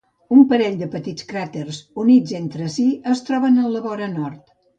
Un parell de petits cràters units entre si es troben en la vora nord.